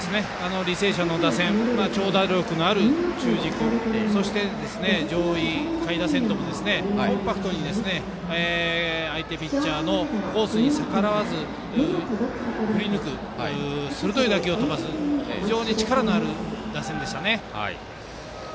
履正社の打線長打力のある中軸そして、上位、下位打線ともにコンパクトに相手ピッチャーのコースに逆らわず振り抜く鋭い打球を飛ばす非常に力のある打線でしたね。